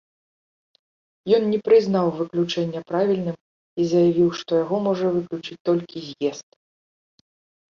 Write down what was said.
Ён не прызнаў выключэння правільным і заявіў, што яго можа выключыць толькі з'езд.